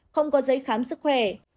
không có giấy khám sức khỏe